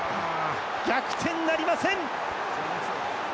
逆転なりません！